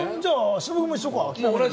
忍君も一緒か。